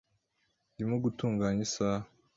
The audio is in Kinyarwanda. Ndimo gutunganya isaha .